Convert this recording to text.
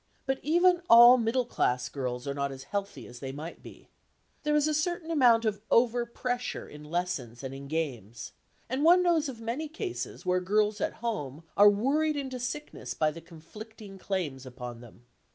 But even all middle class girls are not as healthy as they might be. There is a certain amount of overpressure in lessons and in games, and one knows of many cases where girls at home are worried into sickness by the conflicting claims upon them.